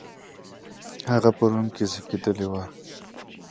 She was born in Rome.